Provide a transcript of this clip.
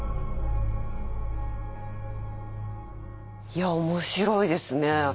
いや面白いですね。